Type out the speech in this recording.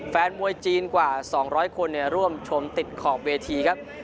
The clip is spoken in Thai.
แฟนมวยจีนกว่า๒๐๐คนร่วมชมติดขอบเวทีครับ